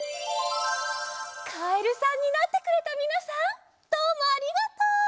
カエルさんになってくれたみなさんどうもありがとう。